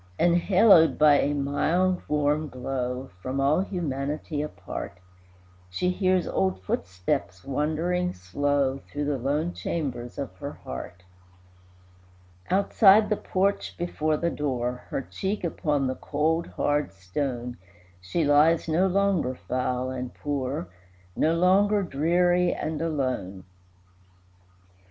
Enhaloed by a mild, warm glow, From all humanity apart, She hears old footsteps wandering slow Through the lone chambers of her heart. Outside the porch before the door, Her cheek upon the cold, hard stone, She lies, no longer foul and poor, No longer dreary and alone.